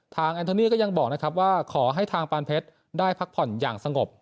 แอนโทนี่ก็ยังบอกนะครับว่าขอให้ทางปานเพชรได้พักผ่อนอย่างสงบ